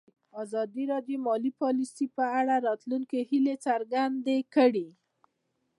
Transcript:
ازادي راډیو د مالي پالیسي په اړه د راتلونکي هیلې څرګندې کړې.